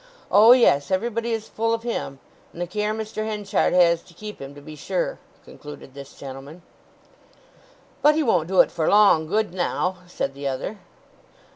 O yes, everybody is full of him, and the care Mr. Henchard has to keep him, to be sure!" concluded this gentleman. "But he won't do it for long, good now," said the other.